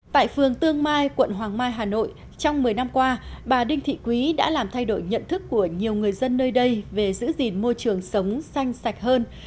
tại phường tương mai quận hoàng mai hà nội trong một mươi năm qua bà đinh thị quý đã làm thay đổi nhận thức của nhiều người dân nơi đây về giữ gìn môi trường sống xanh sạch hơn